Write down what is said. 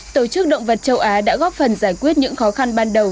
tổ chức động vật châu á đã góp phần giải quyết những khó khăn ban đầu